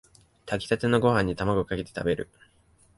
炊きたてのご飯にタマゴかけて食べる